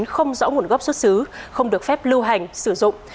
không rõ nguồn gốc xuất xứ không được phép lưu hành sử dụng